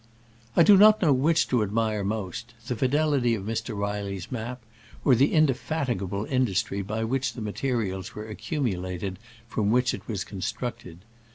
I do not know which to admire most, the fidelity of Mr. Reilly's map or the indefatigable industry by which the ma terials were accumulated from which it was constructed.